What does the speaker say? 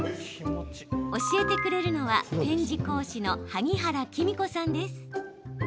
教えてくれるのはペン字講師の萩原季実子さんです。